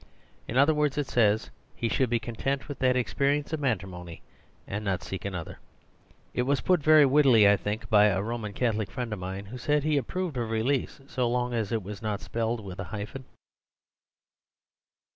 In other words, it says he should be content with that experience of matrimony, and not seek another. It was put very wittily, I think, by a Roman Catholic friend of mine, who said i 122 The Superstition of Divorce he approved of release so long as it was not spelt with a hyphen.